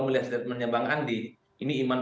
melihat statementnya bang andi ini iman